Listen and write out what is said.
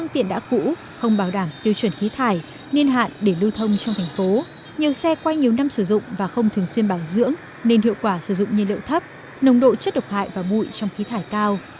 tiêu chuẩn khí thải niên hạn để lưu thông trong thành phố nhiều xe qua nhiều năm sử dụng và không thường xuyên bảo dưỡng nên hiệu quả sử dụng nhiên liệu thấp nồng độ chất độc hại và mụi trong khí thải cao